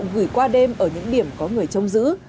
gửi qua đêm ở những điểm có người trông giữ